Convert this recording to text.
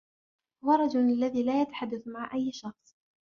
هو رجل الذي لا يتحدث مع أي شخص.